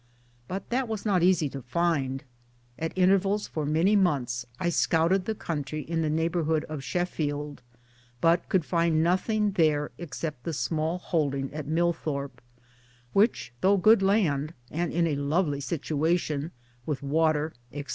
But that was not easy to find. At intervals for many months I scoured the country in the neighborhood of Sheffield, but could find nothing there except the small holding at Millthorpe, which though good land and in a lovely situation, with water, etc.